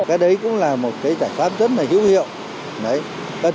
cái đấy cũng là một cái giải pháp rất là dữ liệu